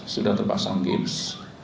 sudah terpasang gips